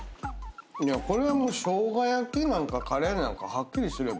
いやこれ生姜焼きなんかカレーなんかはっきりすれば？